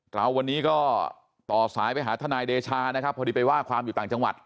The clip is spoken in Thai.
เราวันนี้ก็ต่อสายไปหาทนายเดชานะครับพอดีไปว่าความอยู่ต่างจังหวัด